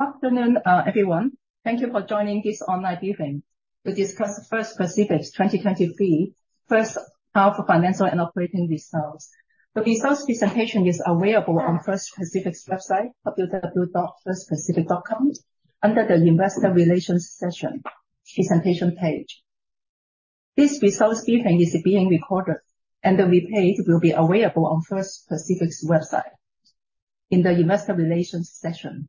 Good afternoon, everyone. Thank you for joining this online briefing to discuss First Pacific's 2023 H1 Financial and Operating Results. The results presentation is available on First Pacific's website, www.firstpacific.com, under the Investor Relations section presentation page. This results briefing is being recorded, and the replay will be available on First Pacific's website in the Investor Relations section.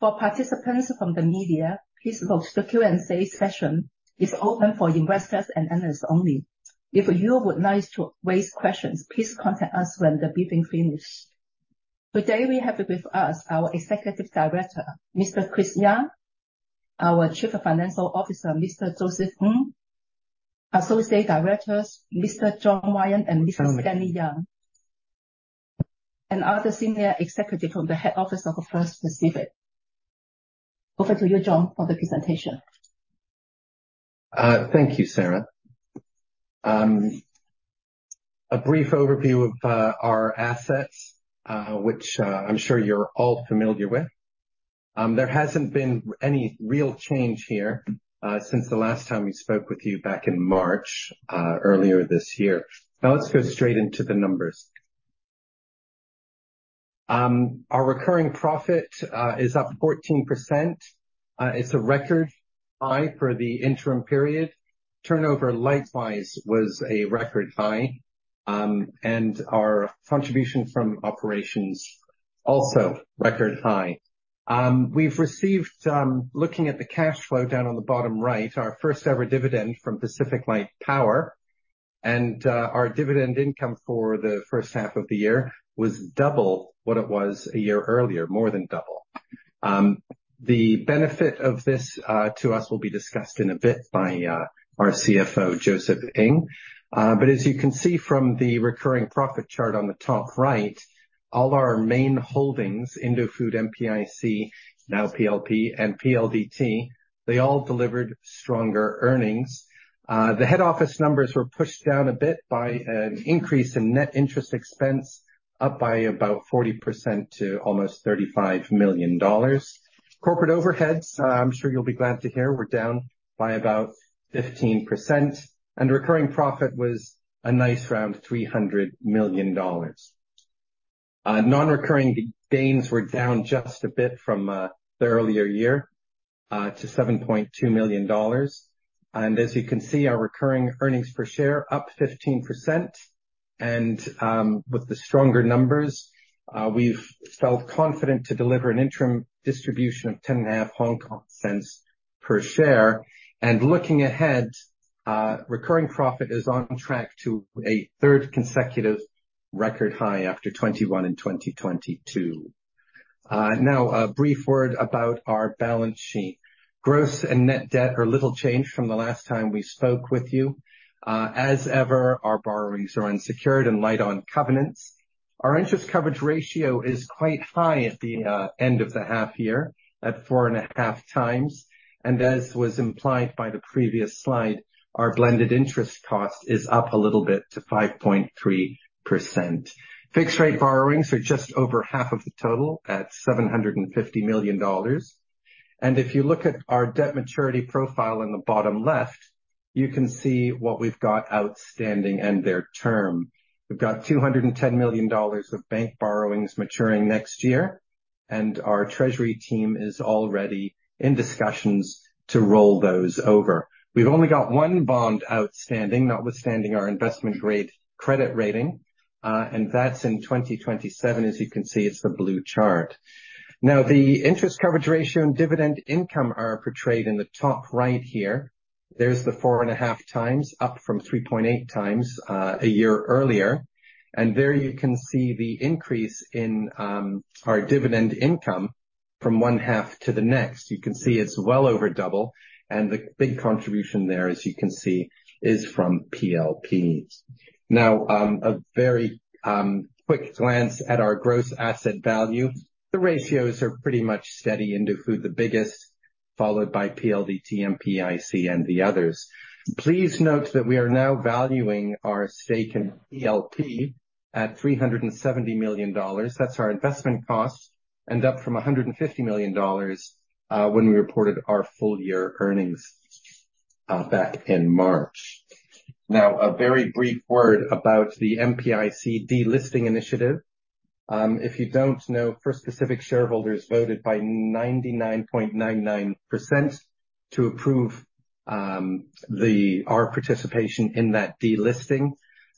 For participants from the media, please note the Q&A session is open for investors and analysts only. If you would like to raise questions, please contact us when the briefing finishes. Today, we have with us our Executive Director, Mr. Chris Young, our Chief Financial Officer, Mr. Joseph Ng, Associate Directors, Mr. John Ryan and Mr. Stanley Yang, and other senior executives from the head office of First Pacific. Over to you, John, for the presentation. Thank you, Sarah. A brief overview of our assets, which I'm sure you're all familiar with. There hasn't been any real change here since the last time we spoke with you back in March, earlier this year. Now, let's go straight into the numbers. Our recurring profit is up 14%. It's a record high for the interim period. Turnover, likewise, was a record high. Our contribution from operations, also record high. We've received, looking at the cash flow down on the bottom right, our first-ever dividend from PacificLight Power, and our dividend income for the first half of the year was double what it was a year earlier, more than double. The benefit of this to us will be discussed in a bit by our CFO, Joseph Ng. As you can see from the recurring profit chart on the top right, all our main holdings, Indofood, MPIC, now PLP and PLDT, they all delivered stronger earnings. The head office numbers were pushed down a bit by an increase in net interest expense, up by about 40% to almost $35 million. Corporate overheads, I'm sure you'll be glad to hear, were down by about 15%, and recurring profit was a nice round $300 million. Non-recurring gains were down just a bit from the earlier year to $7.2 million. As you can see, our recurring earnings per share up 15%. With the stronger numbers, we've felt confident to deliver an interim distribution of 0.105 per share. Looking ahead, recurring profit is on track to a third consecutive record high after 2021 and 2022. Now, a brief word about our balance sheet. Gross and net debt are little changed from the last time we spoke with you. As ever, our borrowings are unsecured and light on covenants. Our interest coverage ratio is quite high at the end of the half year, at 4.5x, and as was implied by the previous slide, our blended interest cost is up a little bit to 5.3%. Fixed rate borrowings are just over half of the total at $750 million. And if you look at our debt maturity profile in the bottom left, you can see what we've got outstanding and their term. We've got $210 million of bank borrowings maturing next year, and our treasury team is already in discussions to roll those over. We've only got one bond outstanding, notwithstanding our investment-grade credit rating, and that's in 2027. As you can see, it's the blue chart. Now, the interest coverage ratio and dividend income are portrayed in the top right here. There's the 4.5x, up from 3.8x, a year earlier. There you can see the increase in our dividend income from one half to the next. You can see it's well over double, and the big contribution there, as you can see, is from PLP. Now, a very quick glance at our gross asset value. The ratios are pretty much steady, IndoFood, the biggest, followed by PLDT, MPIC, and the others. Please note that we are now valuing our stake in PLP at $370 million. That's our investment cost, and up from $150 million when we reported our full-year earnings back in March. Now, a very brief word about the MPIC delisting initiative. If you don't know, First Pacific shareholders voted by 99.99% to approve our participation in that delisting.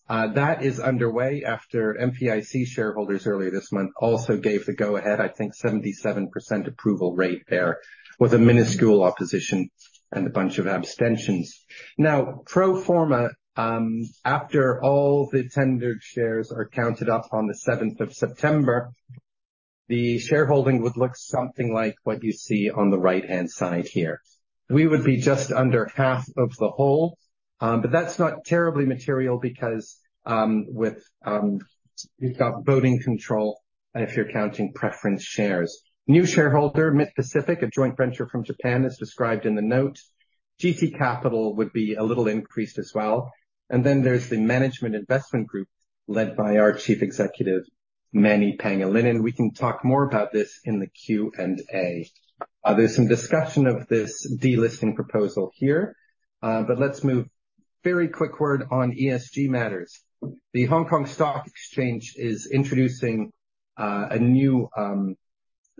That is underway after MPIC shareholders earlier this month also gave the go-ahead. I think 77% approval rate there, with a minuscule opposition and a bunch of abstentions. Now, pro forma, after all the tendered shares are counted up on the seventh of September, the shareholding would look something like what you see on the right-hand side here. We would be just under half of the whole, but that's not terribly material because we've got voting control, and if you're counting preference shares. New shareholder, Mit-Pacific, a joint venture from Japan, is described in the note. GT Capital would be a little increased as well. Then there's the Management Investment Group led by our Chief Executive, Manny Pangilinan. We can talk more about this in the Q&A. There's some discussion of this delisting proposal here, but let's move. Very quick word on ESG matters. The Hong Kong Stock Exchange is introducing a new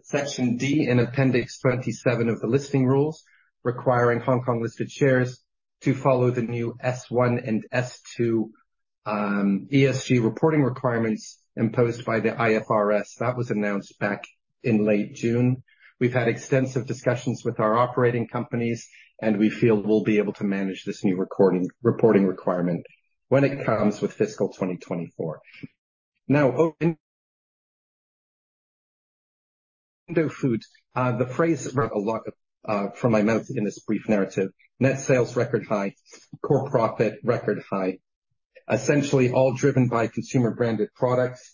Section D in Appendix 27 of the listing rules, requiring Hong Kong-listed shares to follow the new S1 and S2 ESG reporting requirements imposed by the IFRS. That was announced back in late June. We've had extensive discussions with our operating companies, and we feel we'll be able to manage this new recording, reporting requirement when it comes with fiscal 2024. Now, over Indofood, the phrase a lot from my mouth in this brief narrative. Net sales record high, core profit record high. Essentially all driven by consumer-branded products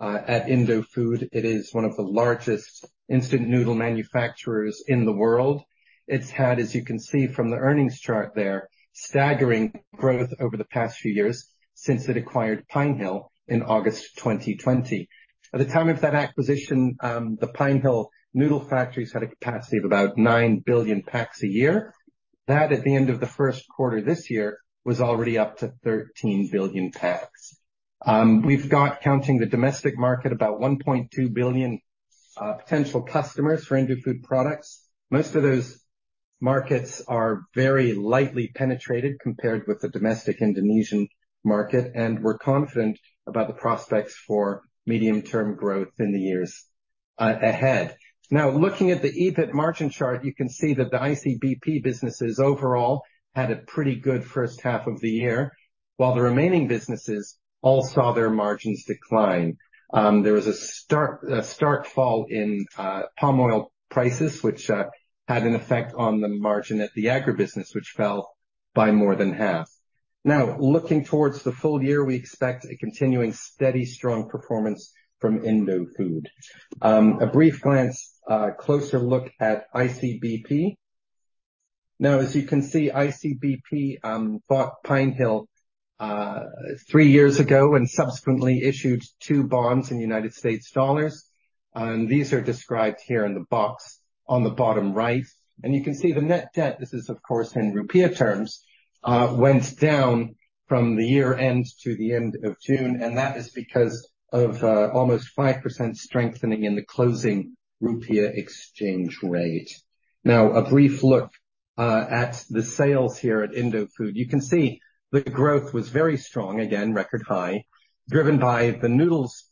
at Indofood. It is one of the largest instant noodle manufacturers in the world. It's had, as you can see from the earnings chart there, staggering growth over the past few years since it acquired Pinehill in August 2020. At the time of that acquisition, the Pine Hill Noodle Factories had a capacity of about 9 billion packs a year. That, at the end of the first quarter this year, was already up to 13 billion packs. We've got, counting the domestic market, about 1.2 billion potential customers for Indofood products. Most of those markets are very lightly penetrated compared with the domestic Indonesian market, and we're confident about the prospects for medium-term growth in the years ahead. Now, looking at the EBIT margin chart, you can see that the ICBP businesses overall had a pretty good first half of the year, while the remaining businesses all saw their margins decline. There was a stark, a stark fall in palm oil prices, which had an effect on the margin at the agribusiness, which fell by more than half. Now, looking towards the full year, we expect a continuing steady, strong performance from IndoFood. A brief glance, closer look at ICBP. Now, as you can see, ICBP bought Pinehill three years ago and subsequently issued two bonds in United States dollars, and these are described here in the box on the bottom right. You can see the net debt; this is of course in rupiah terms, went down from the year-end to the end of June, and that is because of almost 5% strengthening in the closing rupiah exchange rate. Now, a brief look at the sales here at Indofood. You can see the growth was very strong, again, record high, driven by the noodles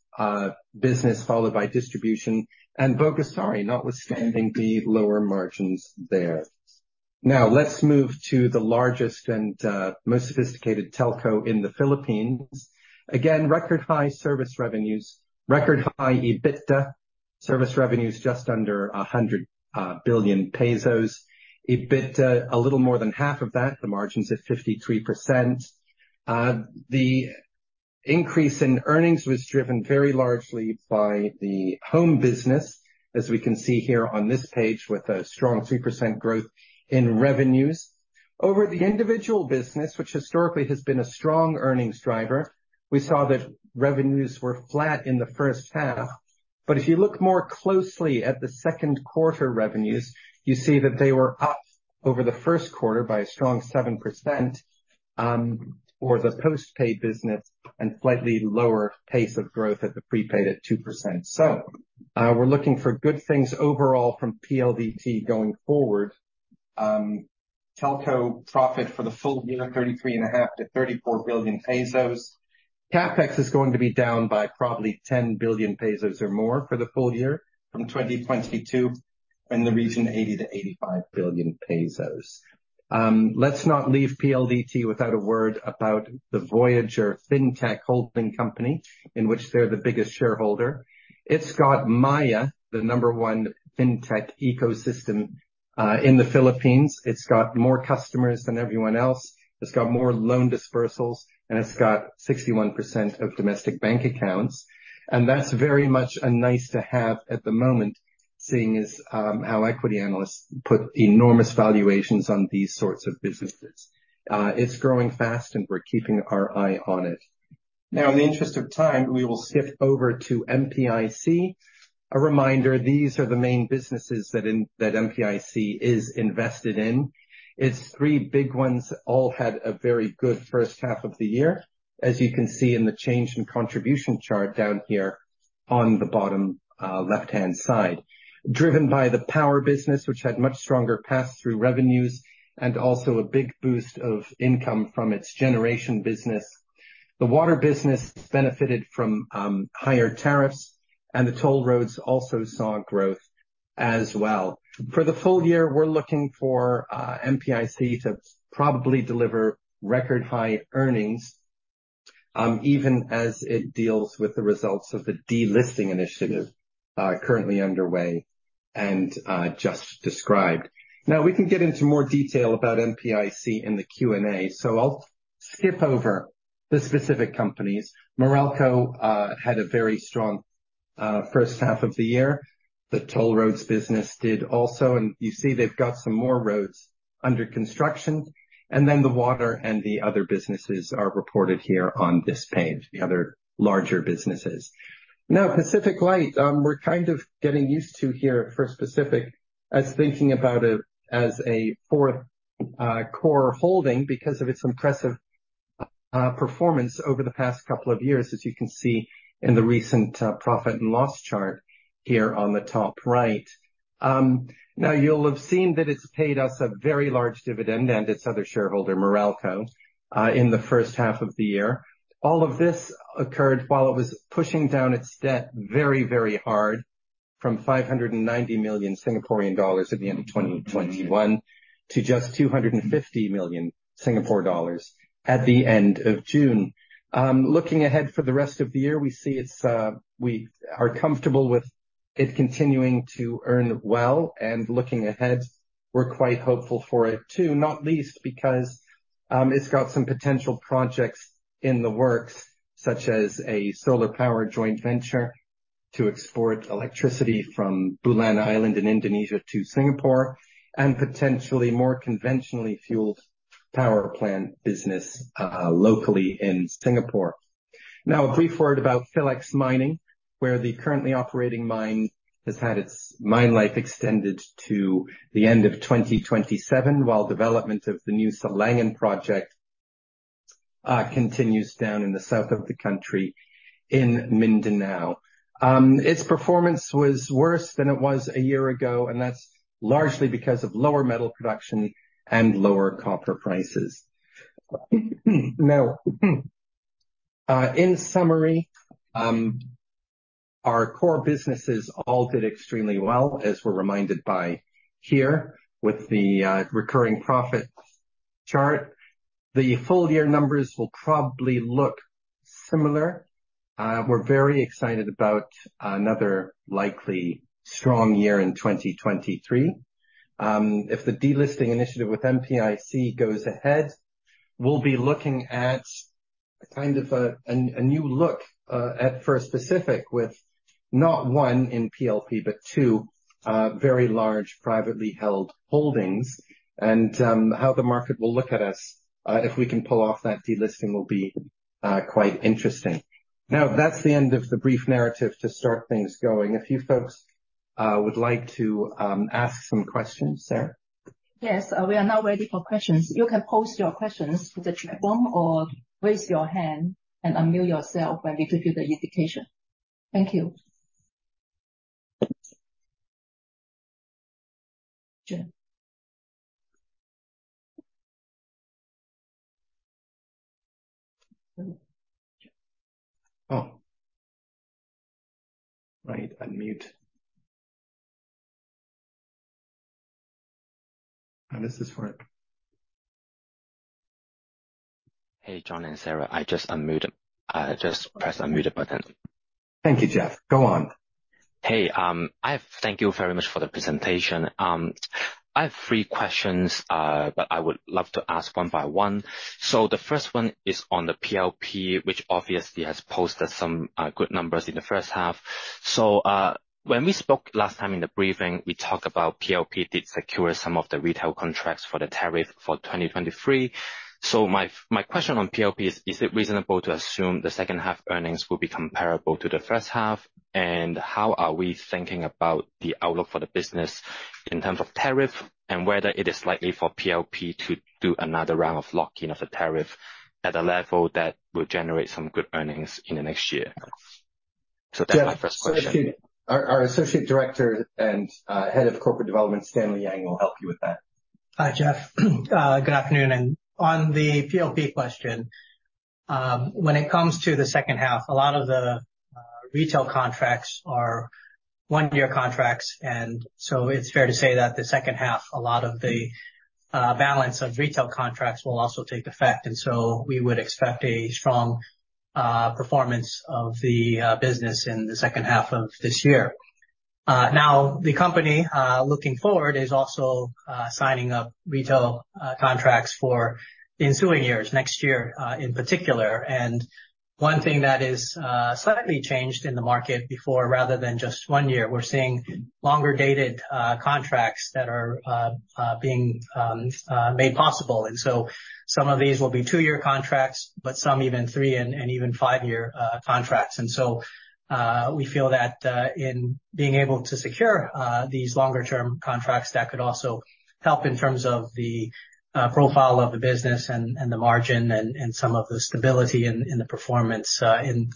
business, followed by distribution and Bogasari, notwithstanding the lower margins there. Now, let's move to the largest and most sophisticated telco in the Philippines. Again, record high service revenues, record high EBITDA. Service revenues, just under 100 billion pesos. EBITDA, a little more than half of that, the margins at 53%. The increase in earnings was driven very largely by the home business, as we can see here on this page, with a strong 3% growth in revenues. Over at the individual business, which historically has been a strong earnings driver, we saw that revenues were flat in the H1. But if you look more closely at the Q2 revenues, you see that they were up over the Q1 by a strong 7% for the post-paid business, and slightly lower pace of growth at the prepaid at 2%. So, we're looking for good things overall from PLDT going forward. Telco profit for the full year, 33.5 billion-34 billion pesos. CapEx is going to be down by probably 10 billion pesos or more for the full year from 2022, in the region of 80 billion-85 billion pesos. Let's not leave PLDT without a word about the Voyager Fintech Holding Company, in which they're the biggest shareholder. It's got Maya, the number one fintech ecosystem, in the Philippines. It's got more customers than everyone else. It's got more loan dispersals, and it's got 61% of domestic bank accounts. And that's very much a nice to have at the moment, seeing as, how equity analysts put enormous valuations on these sorts of businesses. It's growing fast, and we're keeping our eye on it. Now, in the interest of time, we will skip over to MPIC. A reminder, these are the main businesses that that MPIC is invested in. Its three big ones all had a very good first half of the year, as you can see in the change in contribution chart down here on the bottom, left-hand side. Driven by the Power business, which had much stronger pass-through revenues and also a big boost of income from its generation business. The water business benefited from, higher tariffs, and the toll roads also saw growth as well. For the full year, we're looking for, MPIC to probably deliver record-high earnings, even as it deals with the results of the delisting initiative, currently underway and, just described. Now, we can get into more detail about MPIC in the Q&A, so I'll skip over the specific companies. Meralco had a very strong H1 of the year. The toll roads business did also, and you see they've got some more roads under construction, and then the water and the other businesses are reported here on this page, the other larger businesses. Now, PacificLight, we're kind of getting used to here for specific, as thinking about it as a fourth, core holding because of its impressive, performance over the past couple of years, as you can see in the recent, profit and loss chart here on the top right. Now, you'll have seen that it's paid us a very large dividend and its other shareholder, Meralco, in the H1 of the year. All of this occurred while it was pushing down its debt very, very hard from 590 million dollars at the end of 2021, to just 250 million Singapore dollars at the end of June. Looking ahead for the rest of the year, we see it's, we are comfortable with it continuing to earn well, and looking ahead, we're quite hopeful for it too. Not least because, it's got some potential projects in the works, such as a solar power joint venture to export electricity from Bulan Island in Indonesia to Singapore, and potentially more conventionally fueled power plant business, locally in Singapore. Now, a brief word about Philex Mining, where the currently operating mine has had its mine life extended to the end of 2027, while development of the new Silangan Project continues down in the south of the country, in Mindanao. Its performance was worse than it was a year ago, and that's largely because of lower metal production and lower copper prices. Now, in summary, our core businesses all did extremely well, as we're reminded by here with the recurring profit chart. The full year numbers will probably look similar. We're very excited about another likely strong year in 2023. If the delisting initiative with MPIC goes ahead, we'll be looking at kind of a new look at First Pacific, with not one in PLP, but two very large privately held holdings. How the market will look at us if we can pull off that delisting will be quite interesting. Now, that's the end of the brief narrative to start things going. A few folks would like to ask some questions, Sarah? Yes, we are now ready for questions. You can post your questions to the chat form, or raise your hand and unmute yourself when we give you the invitation. Thank you. Jeff? Oh, right. Unmute. How does this work? Hey, John and Sara, I just unmuted. I just pressed the unmute button. Thank you, Jeff. Go on. Hey, thank you very much for the presentation. I have three questions, but I would love to ask one by one. So the first one is on the PLP, which obviously has posted some good numbers in the first half. So, when we spoke last time in the briefing, we talked about PLP did secure some of the retail contracts for the tariff for 2023. So my question on PLP is: Is it reasonable to assume the second half earnings will be comparable to the first half? And how are we thinking about the outlook for the business in terms of tariff, and whether it is likely for PLP to do another round of locking of the tariff at a level that will generate some good earnings in the next year? So that's my first question. Our Associate Director and Head of Corporate Development, Stanley Yang, will help you with that. Hi, Jeff. Good afternoon. On the PLP question, when it comes to the H2, a lot of the retail contracts are 1-year contracts, and so it's fair to say that the H2, a lot of the balance of retail contracts will also take effect. And so we would expect a strong performance of the business in the second half of this year. Now, the company, looking forward, is also signing up retail contracts for the ensuing years, next year in particular. And one thing that is slightly changed in the market before, rather than just one year, we're seeing longer dated contracts that are being made possible. And so some of these will be 2-year contracts, but some even three and even 5-year contracts. And so, we feel that in being able to secure these longer term contracts, that could also help in terms of the profile of the business and the margin and some of the stability in the performance in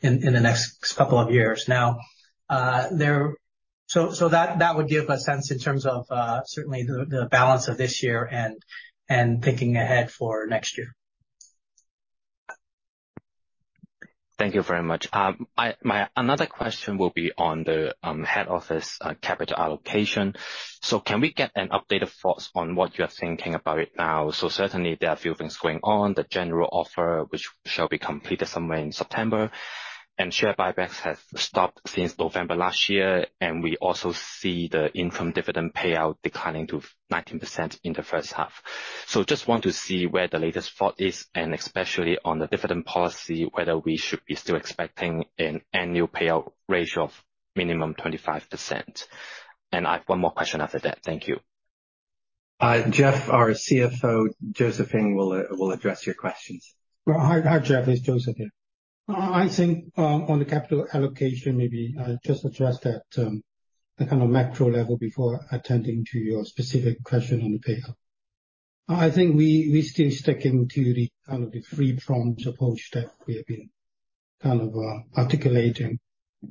the next couple of years. Now, so that would give a sense in terms of certainly the balance of this year and thinking ahead for next year. Thank you very much. Another question will be on the head office capital allocation. So can we get an updated thoughts on what you are thinking about it now? So certainly there are a few things going on. The general offer, which shall be completed somewhere in September, and share buybacks has stopped since November last year, and we also see the interim dividend payout declining to 19% in the first half. So just want to see where the latest thought is, and especially on the dividend policy, whether we should be still expecting an annual payout ratio of minimum 25%. And I have one more question after that. Thank you. Jeff, our CFO, Joseph, will address your questions. Well, hi, hi, Jeff, it's Joseph here. I think on the capital allocation, maybe I'll just address that, the kind of macro level before attending to your specific question on the payout. I think we still sticking to the kind of the three-pronged approach that we have been kind of articulating.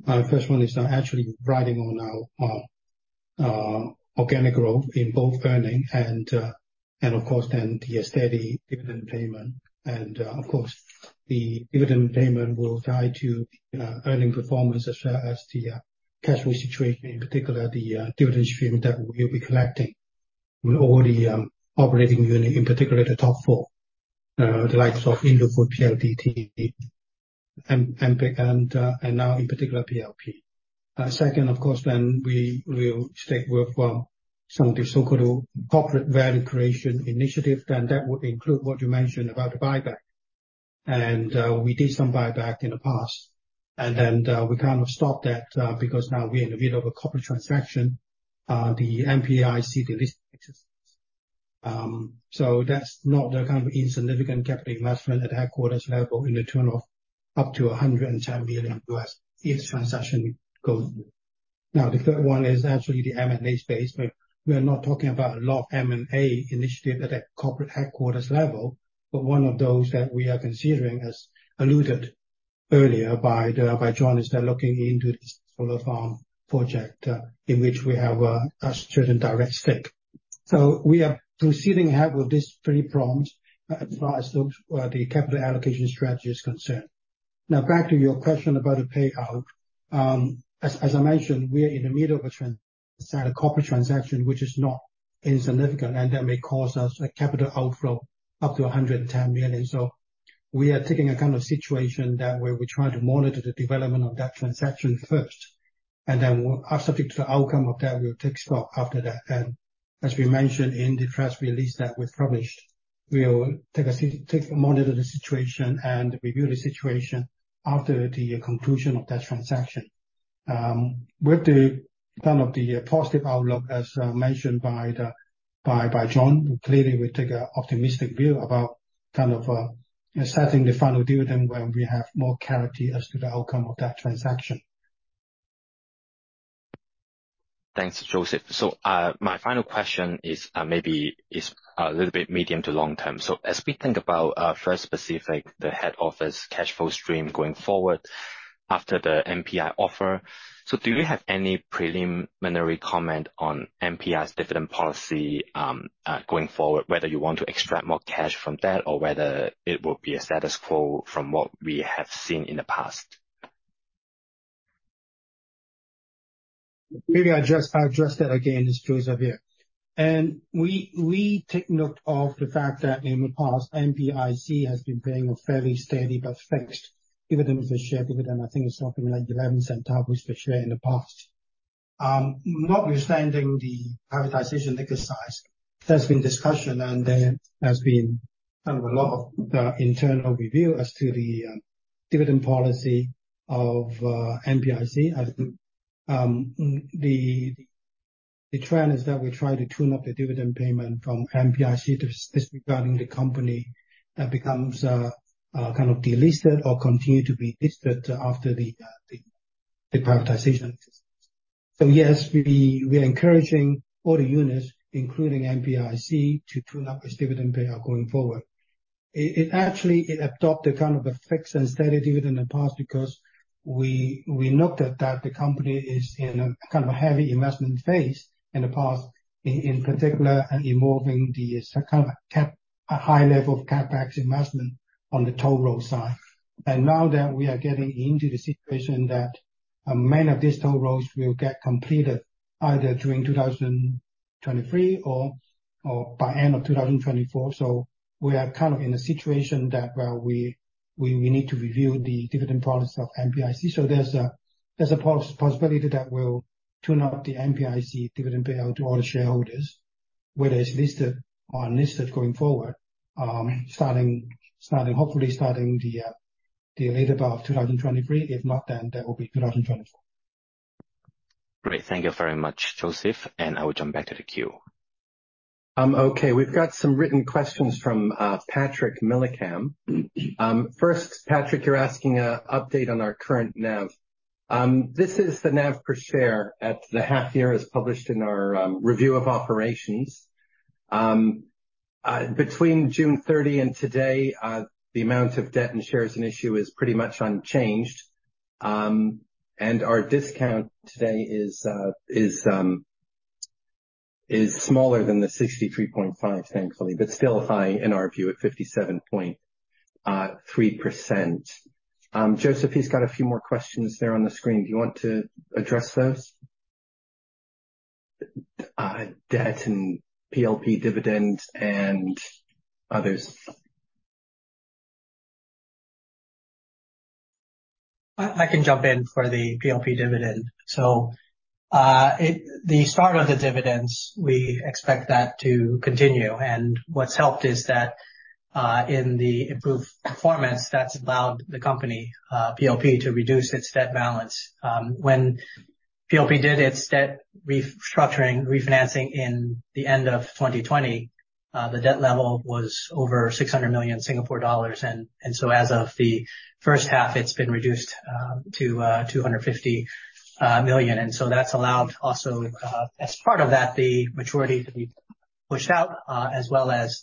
First one is actually riding on our organic growth in both earnings and of course, then the steady dividend payment. Of course, the dividend payment will tie to earning performance as well as the cash flow situation, in particular, the dividend stream that we'll be collecting from all the operating unit, in particular, the top four. The likes of IndoFood, PLDT, MPIC, and now in particular, PLP. Second, of course, then we will take work from some of the so-called corporate value creation initiative, then that would include what you mentioned about the buyback. We did some buyback in the past, and then we kind of stopped that because now we're in the middle of a corporate transaction, the MPIC delisting. So that's not the kind of insignificant capital investment at headquarters level to the tune of up to $110 billion, if transaction goes through. Now, the third one is actually the M&A space. We're not talking about a lot of M&A initiative at a corporate headquarters level, but one of those that we are considering, as alluded earlier by John, is they're looking into this solar farm project in which we have a certain direct stake. So we are proceeding ahead with these three prongs, as far as those, the capital allocation strategy is concerned. Now, back to your question about the payout. As, as I mentioned, we are in the middle of a corporate transaction, which is not insignificant, and that may cause us a capital outflow up to 110 million. So we are taking a kind of situation that where we try to monitor the development of that transaction first, and then we are subject to the outcome of that, we'll take stock after that. And as we mentioned in the press release that was published, we'll take a monitor the situation and review the situation after the conclusion of that transaction. With the positive outlook, as mentioned by John, clearly we take a optimistic view about kind of setting the final dividend when we have more clarity as to the outcome of that transaction. Thanks, Joseph. So, my final question is, maybe is, a little bit medium to long term. So as we think about, First Pacific, the head office cash flow stream going forward after the MPIC offer. So do you have any preliminary comment on MPIC's dividend policy, going forward? Whether you want to extract more cash from that or whether it will be a status quo from what we have seen in the past? Maybe I'll just address that again, it's Joseph here. And we take note of the fact that in the past, MPIC has been paying a fairly steady but fixed dividend per share. Dividend, I think, is something like 0.11 per share in the past. Notwithstanding the privatization exercise, there's been discussion, and there has been kind of a lot of internal review as to the dividend policy of MPIC. As the trend is that we try to tune up the dividend payment from MPIC to this regarding the company that becomes kind of delisted or continue to be listed after the privatization. So yes, we are encouraging all the units, including MPIC, to tune up its dividend payout going forward. It actually adopted kind of a fixed and steady dividend in the past because we looked at that the company is in a kind of a heavy investment phase in the past, in particular, and involving a high level of CapEx investment on the toll road side. And now that we are getting into the situation that many of these toll roads will get completed either during 2023 or by end of 2024. So we are kind of in a situation that we need to review the dividend policy of MPIC. So there's a possibility that we'll tune up the MPIC dividend payout to all the Shareholders, whether it's listed or unlisted, going forward, hopefully starting the later part of 2023. If not, then that will be 2024. Great. Thank you very much, Joseph, and I will jump back to the queue. Okay, we've got some written questions from Patrick Millicam. First, Patrick, you're asking update on our current NAV. This is the NAV per share at the half year, as published in our review of operations. Between June 30 and today, the amount of debt and shares in issue is pretty much unchanged. And our discount today is smaller than the 63.5, thankfully, but still high in our view, at 57.3%. Joseph, he's got a few more questions there on the screen. Do you want to address those? Debt and PLP dividends and others. I can jump in for the PLP dividend. So, the start of the dividends, we expect that to continue. And what's helped is that-... in the improved performance that's allowed the company, PLP, to reduce its debt balance. When PLP did its debt restructuring, refinancing in the end of 2020, the debt level was over 600 million Singapore dollars. And so as of the first half, it's been reduced to 250 million. And so that's allowed also, as part of that, the maturity to be pushed out, as well as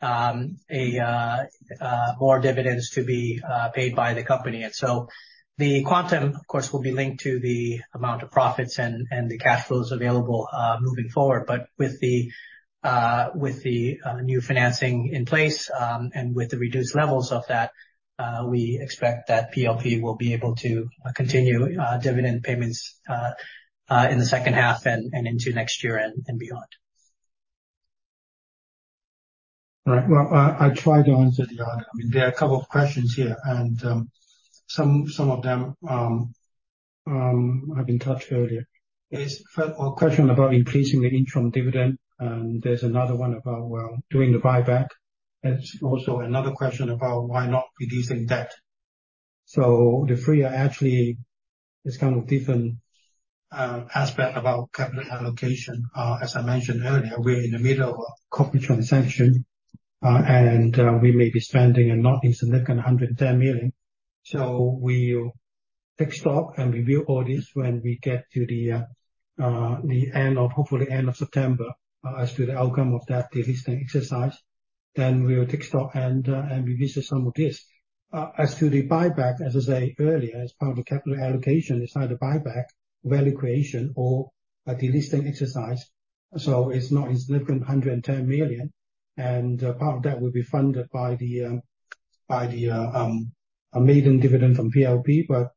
more dividends to be paid by the company. And so the quantum, of course, will be linked to the amount of profits and the cash flows available, moving forward. But with the new financing in place, and with the reduced levels of that, we expect that PLP will be able to continue dividend payments in the second half and into next year and beyond. Right. Well, I try to answer the other. I mean, there are a couple of questions here, and some of them I've touched on earlier. There's a question about increasing the interim dividend, and there's another one about, well, doing the buyback. There's also another question about why not reducing debt? So the three are actually this kind of different aspect about capital allocation. As I mentioned earlier, we're in the middle of a corporate transaction, and we may be spending a not insignificant 110 million. So we'll take stock and review all this when we get to the end of hopefully end of September, as to the outcome of that delisting exercise. Then we will take stock and revisit some of this. As to the buyback, as I said earlier, as part of the capital allocation, it's either buyback, value creation, or a delisting exercise. So it's not insignificant, 110 million, and part of that will be funded by the maiden dividend from PLP. But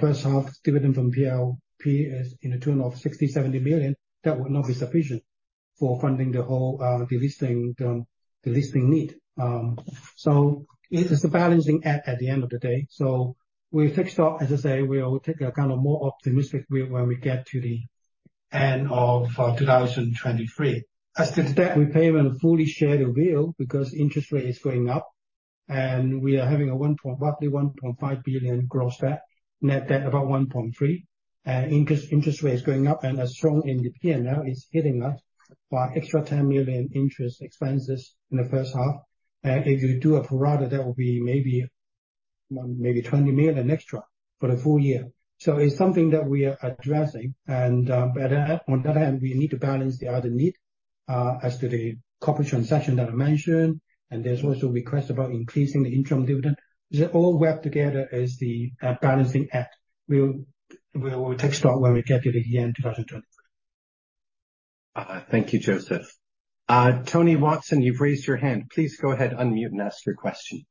first half dividend from PLP is in the tune of 60-70 million. That would not be sufficient for funding the whole delisting need. So it is the balancing act at the end of the day. So we fixed up, as I say, we will take a kind of more optimistic view when we get to the end of 2023. As to the debt repayment, fully share the view because interest rate is going up, and we are having a 1.5 billion gross debt, net debt about 1.3 billion. Interest rate is going up and as shown in the P&L, it's hitting us by extra 10 million interest expenses in the first half. And if you do a pro rata, that will be maybe, maybe 20 million extra for the full year. So it's something that we are addressing, and but on the other hand, we need to balance the other need as to the corporate transaction that I mentioned. And there's also a request about increasing the interim dividend. They're all woven together as the balancing act. We will take stock when we get to the end of 2023. Thank you, Joseph. Tony Watson, you've raised your hand. Please go ahead, unmute and ask your question.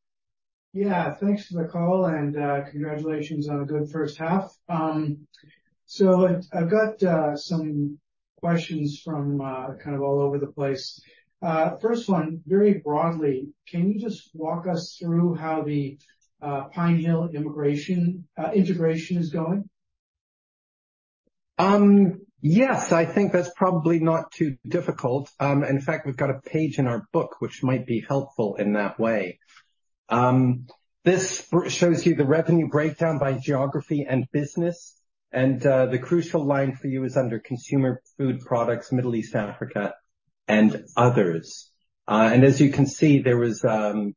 Yeah, thanks for the call, and congratulations on a good first half. So I've, I've got some questions from kind of all over the place. First one, very broadly, can you just walk us through how the Pine Hill acquisition integration is going? Yes, I think that's probably not too difficult. In fact, we've got a page in our book, which might be helpful in that way. This shows you the revenue breakdown by geography and business, and the crucial line for you is under consumer food products, Middle East, Africa, and others. And as you can see, there was an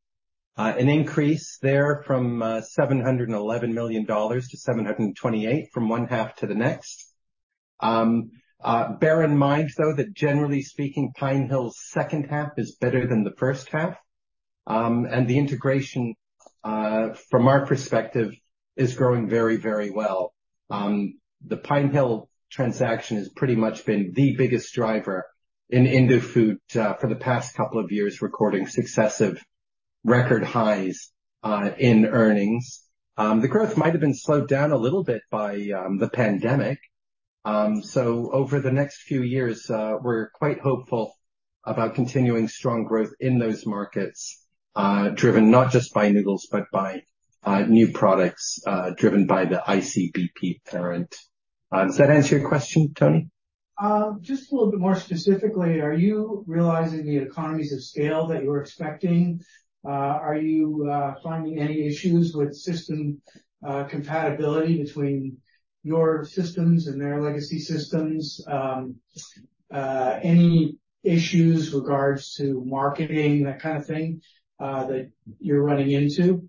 increase there from $711 million to $728 million, from one half to the next. Bear in mind, though, that generally speaking, Pine Hill's second half is better than the first half. And the integration from our perspective is growing very, very well. The Pine Hill transaction has pretty much been the biggest driver in Indofood for the past couple of years, recording successive record highs in earnings. The growth might have been slowed down a little bit by the pandemic. So over the next few years, we're quite hopeful about continuing strong growth in those markets, driven not just by noodles but by new products, driven by the ICBP parent. Does that answer your question, Tony? Just a little bit more specifically, are you realizing the economies of scale that you were expecting? Are you finding any issues with system compatibility between your systems and their legacy systems? Any issues regards to marketing, that kind of thing, that you're running into?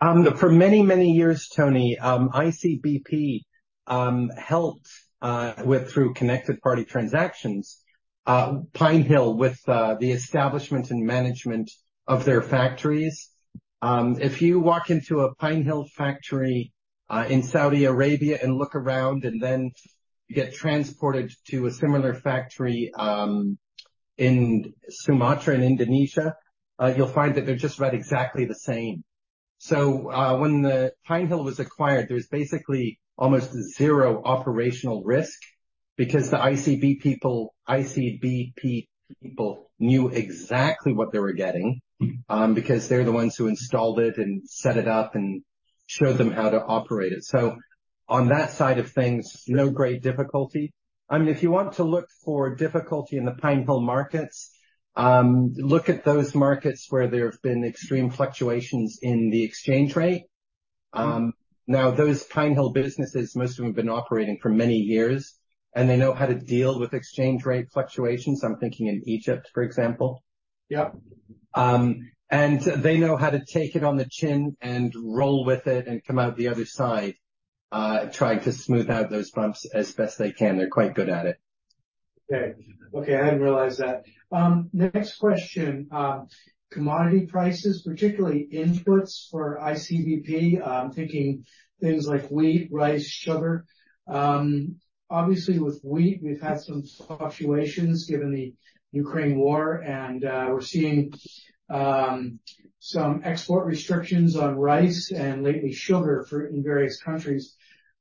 For many, many years, Tony, ICBP helped with through connected party transactions, Pine Hill with the establishment and management of their factories. If you walk into a Pine Hill factory in Saudi Arabia and look around and then get transported to a similar factory in Sumatra, in Indonesia, you'll find that they're just about exactly the same. So, when the Pine Hill was acquired, there was basically almost zero operational risk because the ICB people, ICBP people knew exactly what they were getting, because they're the ones who installed it and set it up and showed them how to operate it. So on that side of things, no great difficulty. I mean, if you want to look for difficulty in the Pinehill markets, look at those markets where there have been extreme fluctuations in the exchange rate. Now, those Pinehill businesses, most of them have been operating for many years, and they know how to deal with exchange rate fluctuations. I'm thinking in Egypt, for example. Yeah. They know how to take it on the chin and roll with it and come out the other side, trying to smooth out those bumps as best they can. They're quite good at it. Okay. Okay, I hadn't realized that. Next question: commodity prices, particularly inputs for ICBP. I'm thinking things like wheat, rice, sugar. Obviously, with wheat, we've had some fluctuations given the Ukraine war, and we're seeing some export restrictions on rice and lately sugar for—in various countries.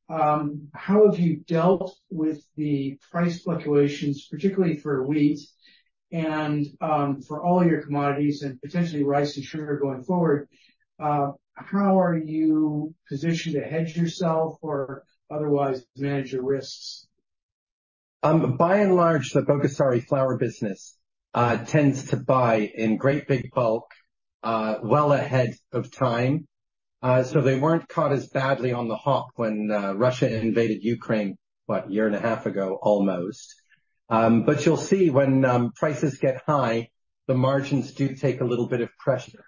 How have you dealt with the price fluctuations, particularly for wheat and for all your commodities, and potentially rice and sugar going forward? How are you positioned to hedge yourself or otherwise manage your risks? By and large, the Bogasari flour business tends to buy in great big bulk, well ahead of time. So they weren't caught as badly on the hop when Russia invaded Ukraine, what, a year and a half ago, almost. But you'll see when prices get high, the margins do take a little bit of pressure,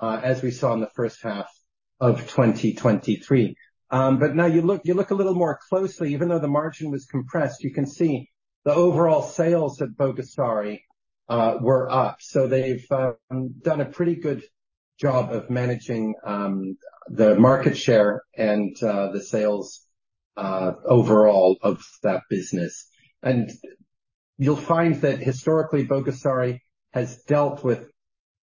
as we saw in the first half of 2023. But now you look, you look a little more closely. Even though the margin was compressed, you can see the overall sales at Bogasari were up. So they've done a pretty good job of managing the market share and the sales overall of that business. You'll find that historically, Bogasari has dealt with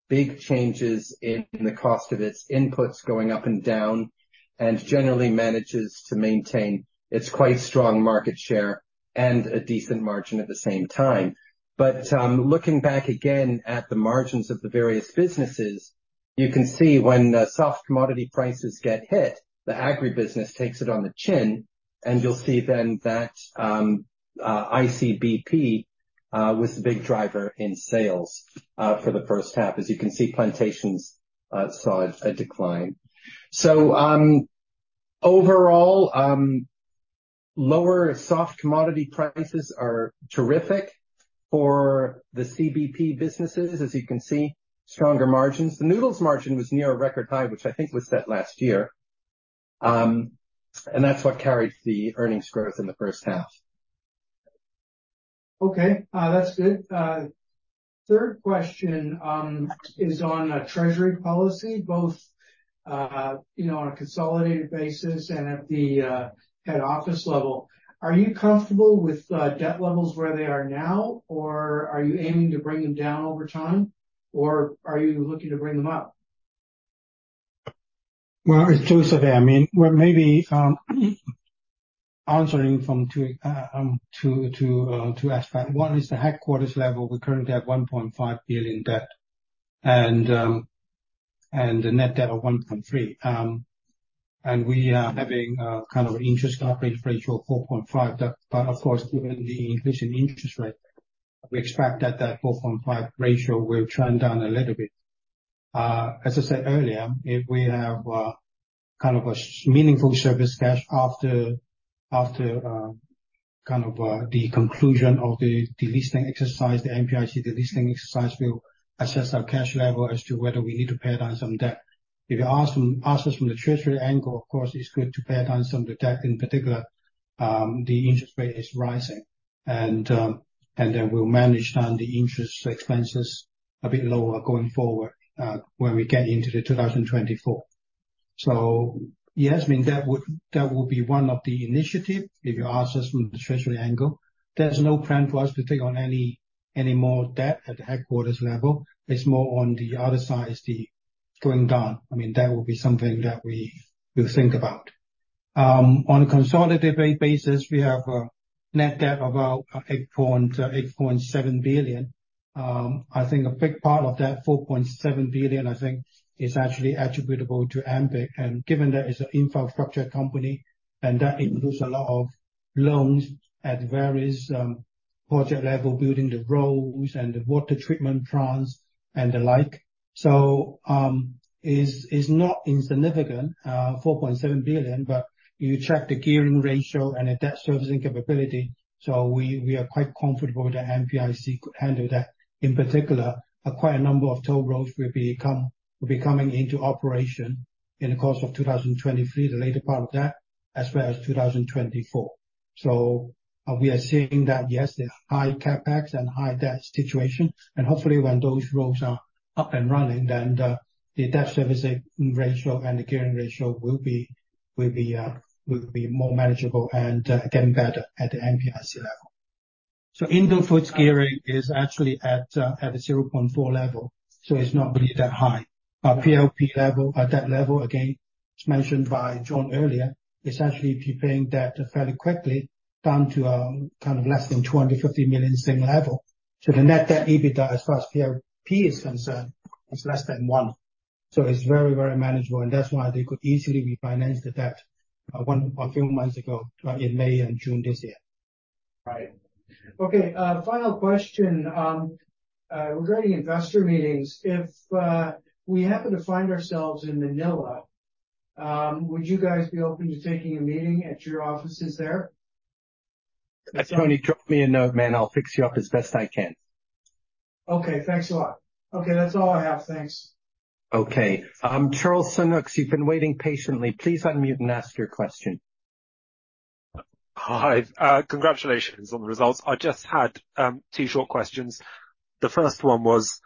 big changes in the cost of its inputs going up and down, and generally manages to maintain its quite strong market share and a decent margin at the same time. But looking back again at the margins of the various businesses, you can see when the soft commodity prices get hit, the agri business takes it on the chin, and you'll see then that ICBP was the big driver in sales for the H1. As you can see, plantations saw a decline. So overall, lower soft commodity prices are terrific for the CBP businesses. As you can see, stronger margins. The noodles margin was near a record high, which I think was set last year. And that's what carried the earnings growth in the first half. Okay, that's good. Third question is on a treasury policy, both, you know, on a consolidated basis and at the head office level. Are you comfortable with debt levels where they are now, or are you aiming to bring them down over time, or are you looking to bring them up? Well, it's Joseph here. I mean, well, maybe answering from two aspects. One is the headquarters level. We currently have 1.5 billion debt and a net debt of 1.3 billion. And we are having kind of an interest coverage ratio of 4.5. But of course, given the increase in interest rate, we expect that that 4.5 ratio will trend down a little bit. As I said earlier, if we have kind of a meaningful surplus cash after the conclusion of the MPIC listing exercise, we will assess our cash level as to whether we need to pay down some debt. If you ask us from the treasury angle, of course, it's good to pay down some of the debt. In particular, the interest rate is rising, and we'll manage down the interest expenses a bit lower going forward when we get into 2024. So yes, I mean, that will be one of the initiative. If you ask us from the treasury angle, there's no plan for us to take on any more debt at the headquarters level. It's more on the other side, is the going down. I mean, that would be something that we will think about. On a consolidated basis, we have a net debt of about 8.7 billion. I think a big part of that 4.7 billion, I think, is actually attributable to MPIC, and given that it's an infrastructure company, and that includes a lot of loans at various project level, building the roads and the water treatment plants and the like. So, is not insignificant, four point seven billion, but you check the gearing ratio and the debt servicing capability, so we are quite comfortable that MPIC could handle that. In particular, a quite a number of toll roads will be coming into operation in the course of 2023, the later part of that, as well as 2024. So, we are seeing that, yes, there's high CapEx and high debt situation, and hopefully, when those roads are up and running, then the debt servicing ratio and the gearing ratio will be more manageable and getting better at the MPIC level. So IndoFood's gearing is actually at a 0.4 level, so it's not really that high. Our PLP level, at that level, again, it's mentioned by John earlier, it's actually paying debt fairly quickly down to, kind of, less than 250 million level.... So the net debt EBITDA, as far as PLP is concerned, is less than one. So it's very, very manageable, and that's why they could easily refinance the debt, a few months ago, in May and June this year. Right. Okay, final question. Regarding Investor Meetings, if we happen to find ourselves in Manila, would you guys be open to taking a meeting at your offices there? Tony, drop me a note, man. I'll fix you up as best I can. Okay, thanks a lot. Okay, that's all I have. Thanks. Okay, Charles Sunnucks, you've been waiting patiently. Please unmute and ask your question. Hi, congratulations on the results. I just had two short questions. The first one was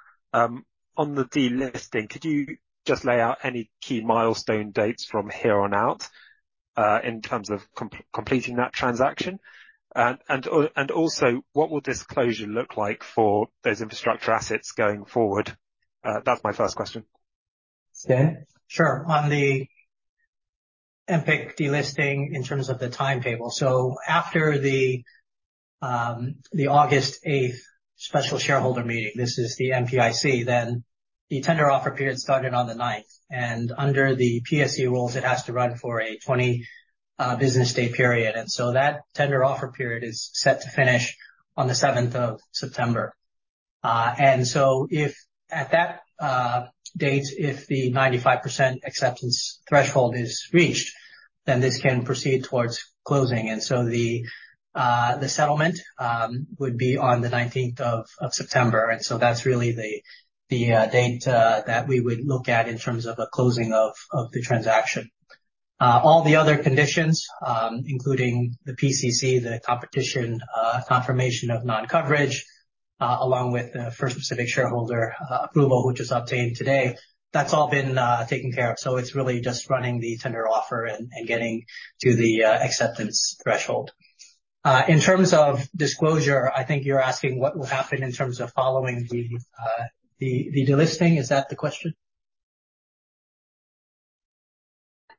on the delisting. Could you just lay out any key Milestone Dates from here on out in terms of completing that transaction? And also, what will disclosure look like for those Infrastructure assets going forward? That's my first question. Stan? Sure. On the MPIC delisting in terms of the timetable. So after the August eighth special shareholder meeting, this is the MPIC, then the tender offer period started on the ninth, and under the PSE rules, it has to run for a 20 business day period. And so that tender offer period is set to finish on the seventh of September. And so if at that date, if the 95% acceptance threshold is reached, then this can proceed towards closing. And so the settlement would be on the nineteenth of September. And so that's really the date that we would look at in terms of a closing of the transaction. All the other conditions, including the PCC, the competition confirmation of non-coverage, along with the First Pacific shareholder approval, which was obtained today, that's all been taken care of. So it's really just running the tender offer and getting to the acceptance threshold. In terms of disclosure, I think you're asking what will happen in terms of following the delisting. Is that the question?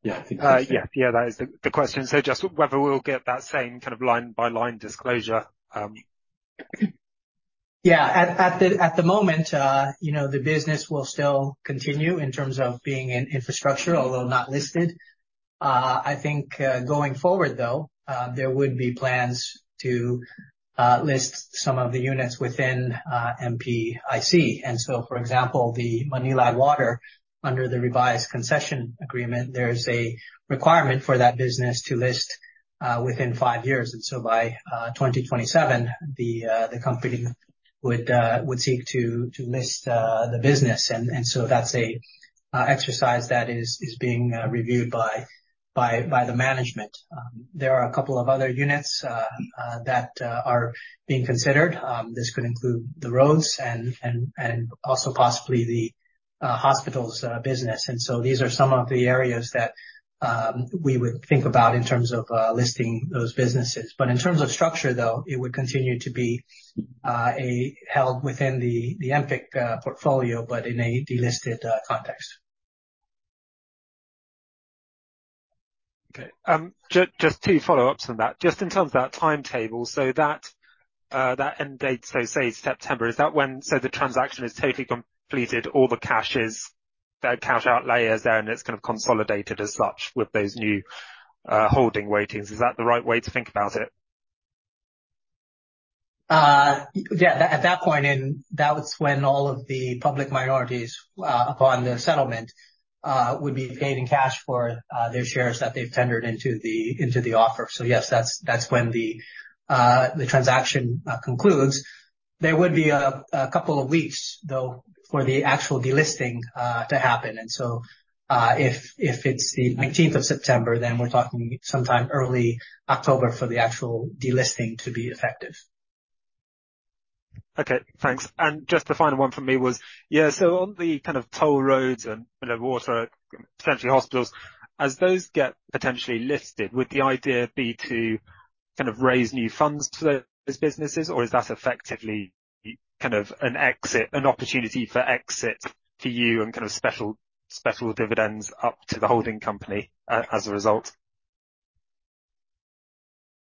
Yeah, I think- Uh, yeah. Yeah, that is the question. So just whether we'll get that same kind of line-by-line disclosure. Yeah. At the moment, you know, the business will still continue in terms of being in infrastructure, although not listed. I think, going forward, though, there would be plans to list some of the units within MPIC. And so, for example, the Manila Water, under the revised concession agreement, there is a requirement for that business to list within five years. And so by 2027, the company would seek to list the business. And so that's an exercise that is being reviewed by the management. There are a couple of other units that are being considered. This could include the Roads and also possibly the Hospitals business. And so these are some of the areas that we would think about in terms of listing those businesses. But in terms of structure, though, it would continue to be held within the MPIC portfolio, but in a delisted context. Okay. Just two follow-ups on that. Just in terms of that timetable, so that end date, so say September, is that when... So the transaction is totally completed, all the cash is, the cash outlays there, and it's kind of consolidated as such with those new holding weightings. Is that the right way to think about it? Yeah. At that point, and that was when all of the public minorities, upon the settlement, would be paid in cash for, their shares that they've tendered into the, into the offer. So yes, that's, that's when the, the transaction, concludes. There would be a, a couple of weeks, though, for the actual delisting, to happen. And so, if, if it's the nineteenth of September, then we're talking sometime early October for the actual delisting to be effective. Okay, thanks. And just the final one from me was, yeah, so on the kind of toll roads and the water, essentially hospitals, as those get potentially listed, would the idea be to kind of raise new funds to those businesses? Or is that effectively kind of an exit, an opportunity for exit to you, and kind of special, special dividends up to the holding company as a result?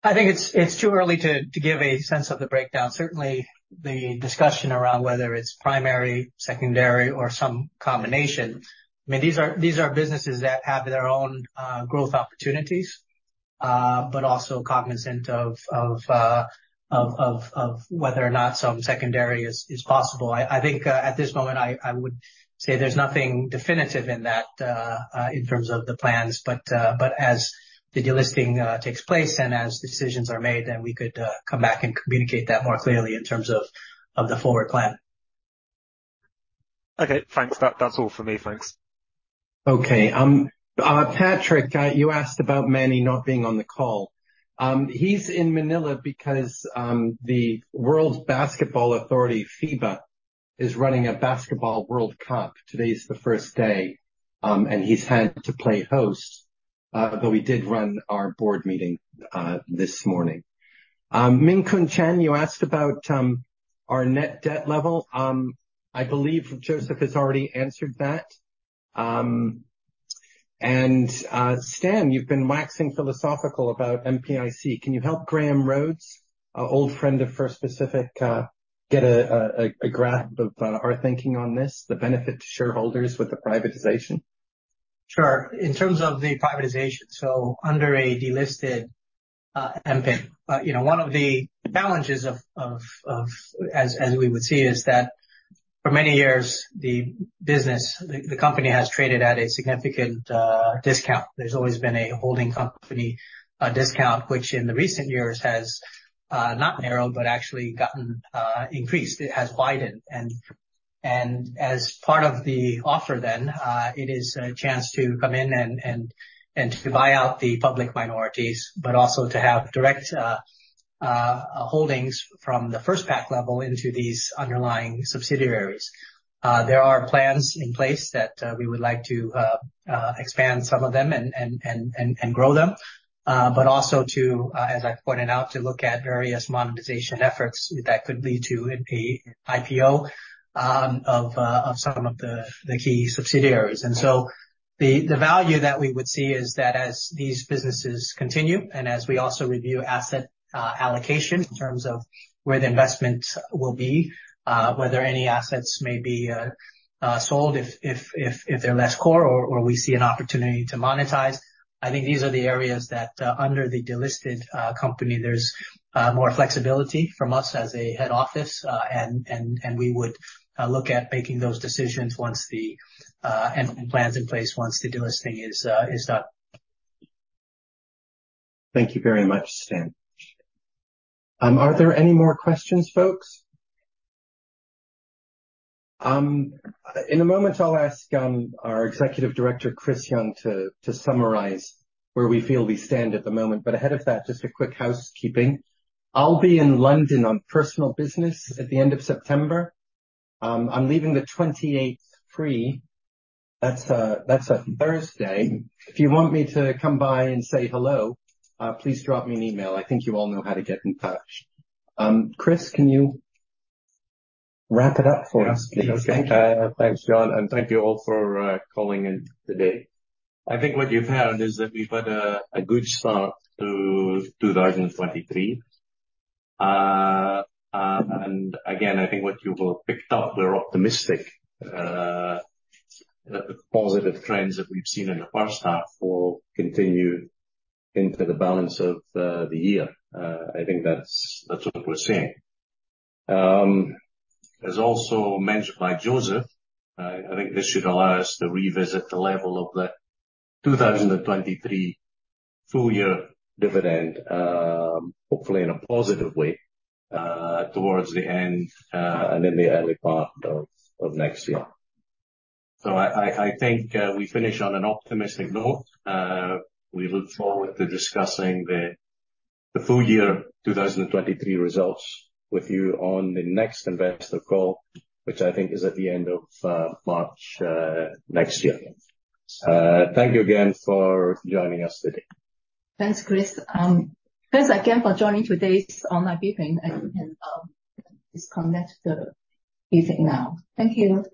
I think it's too early to give a sense of the breakdown. Certainly, the discussion around whether it's primary, secondary or some combination. I mean, these are businesses that have their own growth opportunities, but also cognizant of whether or not some secondary is possible. I think at this moment I would say there's nothing definitive in that in terms of the plans. But as the delisting takes place and as decisions are made, then we could come back and communicate that more clearly in terms of the forward plan. Okay, thanks. That, that's all for me. Thanks. Okay, Patrick, you asked about Manny not being on the call. He's in Manila because the world's basketball authority, FIBA, is running a basketball World Cup. Today is the first day, and he's had to play host. But we did run our board meeting this morning. Min Kun Chen, you asked about our net debt level. I believe Joseph has already answered that. Stan, you've been waxing philosophical about MPIC. Can you help Graham Rhodes, our old friend of First Pacific, get a grasp of our thinking on this, the benefit to shareholders with the privatization? Sure. In terms of the privatization, so under a delisted MPIC, you know, one of the challenges, as we would see, is that for many years, the business, the company has traded at a significant discount. There's always been a holding company discount, which in the recent years has not narrowed, but actually gotten increased. It has widened. And as part of the offer then, it is a chance to come in and to buy out the public minorities, but also to have direct holdings from the First Pacific level into these underlying subsidiaries. There are plans in place that we would like to expand some of them and grow them. But also to, as I pointed out, to look at various monetization efforts that could lead to an IPO of some of the key subsidiaries. And so the value that we would see is that as these businesses continue, and as we also review asset allocation in terms of where the investment will be, whether any assets may be sold, if they're less core or we see an opportunity to monetize. I think these are the areas that under the delisted company, there's more flexibility from us as a head office. And we would look at making those decisions once the end plans in place, once the delisting is done. Thank you very much, Stan. Are there any more questions, folks? In a moment, I'll ask our Executive Director, Chris Young, to summarize where we feel we stand at the moment. But ahead of that, just a quick housekeeping. I'll be in London on personal business at the end of September. I'm leaving the twenty-eighth free. That's a Thursday. If you want me to come by and say hello, please drop me an email. I think you all know how to get in touch. Chris, can you wrap it up for us, please? Thank you. Thanks, John, and thank you all for calling in today. I think what you've heard is that we've had a good start to 2023. And again, I think what you've picked up, we're optimistic that the positive trends that we've seen in the first half will continue into the balance of the year. I think that's what we're saying. As also mentioned by Joseph, I think this should allow us to revisit the level of the 2023 full year dividend, hopefully in a positive way, towards the end and in the early part of next year. So I think we finish on an optimistic note. We look forward to discussing the full year 2023 results with you on the next investor call, which I think is at the end of March next year. Thank you again for joining us today. Thanks, Chris. Thanks again for joining today's online briefing, and you can disconnect the meeting now. Thank you.